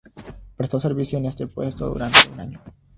Prestó servicio en este puesto durante un año.